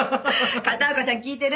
片岡さん聞いてる？